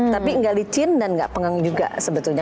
tapi nggak licin dan gak pengang juga sebetulnya